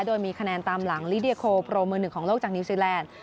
โดยมีคะแนนตามหลังลิเดียโคโปรมือหนึ่งของโลกจากนิวซีแลนด์